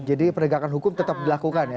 jadi pernegakan hukum tetap dilakukan ya